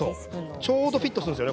ちょうどフィットするんですよね。